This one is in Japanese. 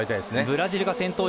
ブラジルが先頭。